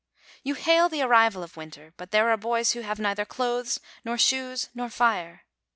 You hail the arrival of winter; but there are boys who have neither clothes nor shoes nor fire.